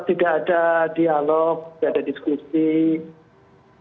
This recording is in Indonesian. tidak hanya saat ini ya pak menteri pendidikan indonesia